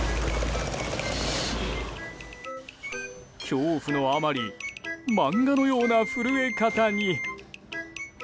恐怖のあまり漫画のような震え方に。